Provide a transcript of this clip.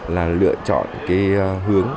là lựa chọn cái hướng